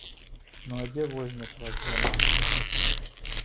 Ну, а дзе возьмеш, раз няма.